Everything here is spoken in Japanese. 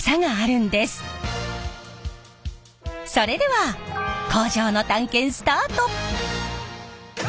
それでは工場の探検スタート！